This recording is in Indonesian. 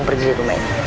pergi dari rumah ini